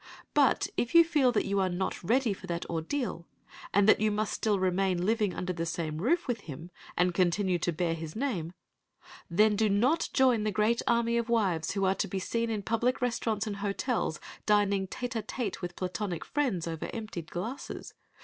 But if you feel that you are not ready for that ordeal, and that you must still remain living under the same roof with him, and continue to bear his name, then do not join the great army of wives who are to be seen in public restaurants and hotels dining tête à tête with "platonic friends" over emptied glasses.